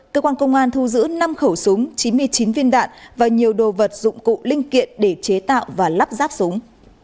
cơ quan công an thu giữ năm khẩu súng chín mươi chín viên đạn và nhiều đồ vật dụng cụ linh kiện để chế tạo và lắp ráp súng